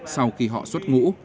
sau khi họ xuất ngũ